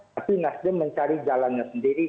tapi nasdem mencari jalannya sendiri